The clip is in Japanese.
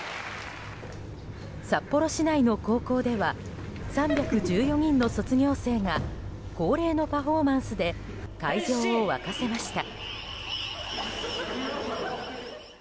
札幌市内の高校では３１４人の卒業生が恒例のパフォーマンスで会場を沸かせました。